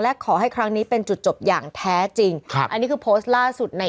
และขอให้ครั้งนี้เป็นจุดจบอย่างแท้จริงครับอันนี้คือโพสต์ล่าสุดใน